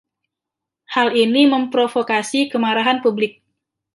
Hal ini memprovokasi kemarahan publik.